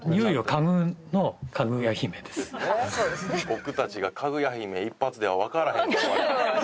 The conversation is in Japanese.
僕たちが「嗅ぐや姫」一発ではわからへんと思われて。